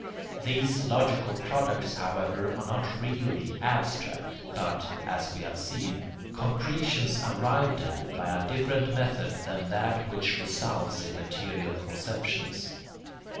These logical products, however, are not really abstract, but, as we have seen, concretions arrived at by a different method than that which results in material conceptions.